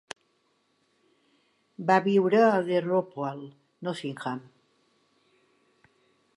Va viure a The Ropwalk, Nottingham.